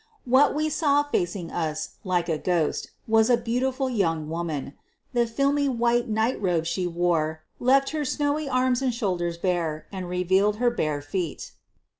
What we saw facing us, like a ghost, was a beauti ful young woman. The filmy white night robe she wore left her snowy arms and shoulders bare and revealed her bare feet.